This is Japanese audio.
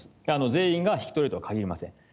全員が引き取れるとはかぎりません。